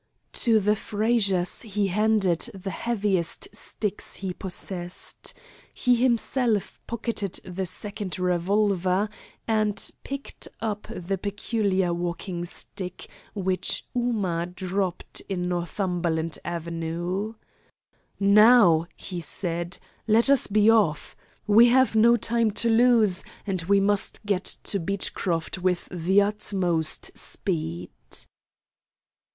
To the Frazers he handed the heaviest sticks he possessed. He himself pocketed the second revolver, and picked up the peculiar walking stick which Ooma dropped in Northumberland Avenue. "Now," he said, "let us be off. We have no time to lose, and we must get to Beechcroft with the utmost speed."